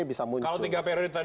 bisa kalau tiga periode tadi